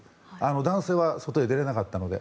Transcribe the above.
男性は外へ出れなかったので。